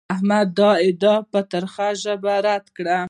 احمد دا ادعا په ترخه ژبه رد کړه.